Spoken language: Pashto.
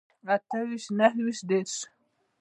اته ويشت نهه ويشت دېرش